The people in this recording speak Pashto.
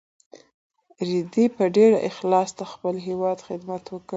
رېدي په ډېر اخلاص د خپل هېواد خدمت وکړ.